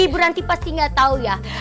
ibu ranti pasti gak tau ya